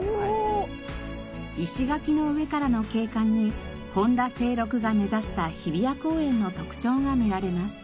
石垣の上からの景観に本多静六が目指した日比谷公園の特徴が見られます。